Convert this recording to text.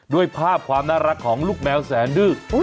ด้วยภาพความน่ารักของลูกแมวแสนดื้อ